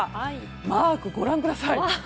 マークをご覧ください。